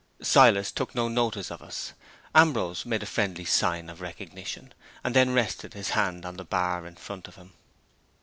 Silas took no notice of us. Ambrose made a friendly sign of recognition, and then rested his hand on the "bar" in front of him.